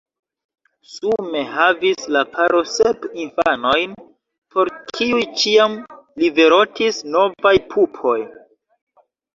Sume havis la paro sep infanojn por kiuj ĉiam liverotis novaj pupoj.